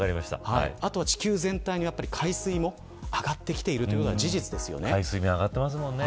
あとは地球全体の海水も上がってきているということは事実ですよね。